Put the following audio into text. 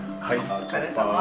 お疲れさま。